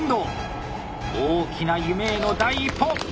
大きな夢への第一歩！